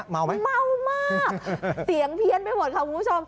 เมามากเสียงเพี้ยนไปหมดครับคุณผู้ชม